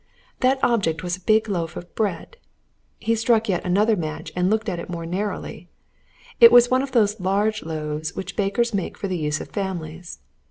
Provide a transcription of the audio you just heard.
That object was a big loaf of bread. He struck yet another match and looked at it more narrowly. It was one of those large loaves which bakers make for the use of families.